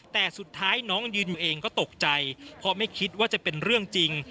แต่สุดท้ายน้องยืนอยู่เองก็ตกใจเพราะไม่คิดว่าจะเป็นเรื่องจริง